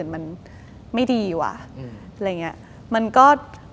มันไม่ดีว่ะอะไรอย่างนี้